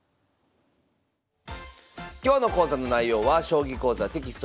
今日の講座の内容は「将棋講座」テキスト